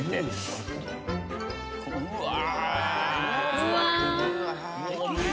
うわ。